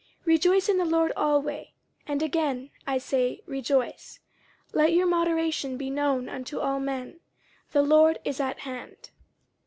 50:004:004 Rejoice in the Lord alway: and again I say, Rejoice. 50:004:005 Let your moderation be known unto all men. The Lord is at hand.